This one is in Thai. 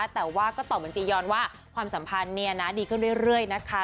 แต่ว่าก็ตอบเหมือนจียอนว่าความสัมพันธ์ดีขึ้นเรื่อยนะคะ